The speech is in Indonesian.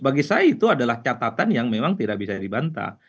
bagi saya itu adalah catatan yang memang tidak bisa dibantah